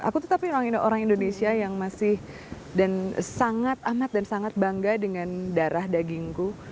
aku tetapi orang indonesia yang masih dan sangat amat dan sangat bangga dengan darah dagingku